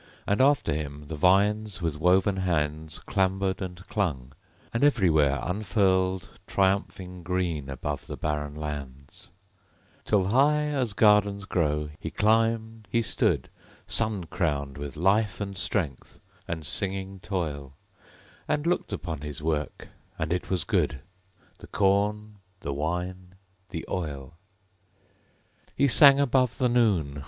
And after him the vines with woven hands Clambered and clung, and everywhere unfurled Triumphing green above the barren lands; Till high as gardens grow, he climbed, he stood, Sun crowned with life and strength, and singing toil, And looked upon his work; and it was good: The corn, the wine, the oil. He sang above the noon.